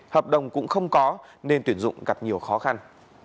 hợp đồng cũng không có nên tuyển dụng gặp nhiều khó khăn